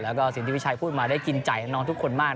และก็สิ่งที่วิชัยพูดมาได้กินใจนทุกคนมาก